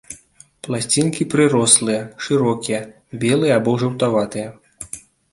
Пласцінкі прырослыя, шырокія, белыя або жаўтаватыя.